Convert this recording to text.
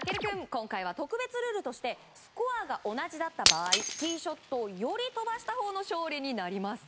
今回は特別ルールとしてスコアが同じだった場合ティーショットをより飛ばしたほうの勝利となります。